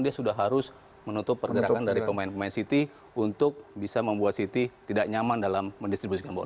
dia sudah harus menutup pergerakan dari pemain pemain city untuk bisa membuat city tidak nyaman dalam mendistribusikan bola